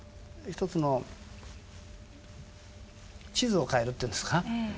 ひとつの地図を変えるっていうんですか